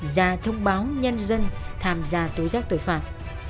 ra thông báo nhân dân tham gia tối giác tội phạm